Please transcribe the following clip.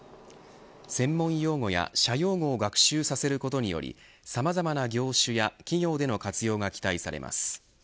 専門用語や社用語を学習させることによりさまざまな業種や企業での活用が期待されます。